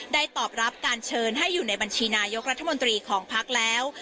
ตอบรับการเชิญให้อยู่ในบัญชีนายกรัฐมนตรีของพักแล้ว